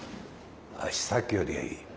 さっきよりはいい。